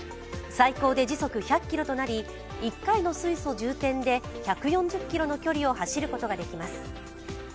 最高で時速１００キロとなり、１回の水素充填で１４０ｋｍの距離を走ることができます